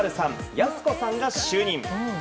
やす子さんが就任。